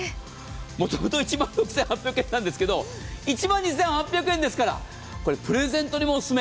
もともと１万６８００円なんですけど、１万２８００円ですから、これはプレゼントにもオススメ。